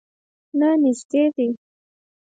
نه، نژدې دی